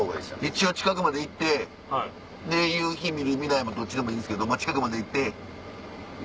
一応近くまで行ってで夕日見る見ないどっちでもいいんですけどまぁ